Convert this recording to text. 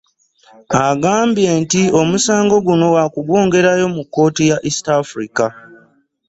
Agambye nti omusango guno wa kugwongerayo mu kkooti ya East Africa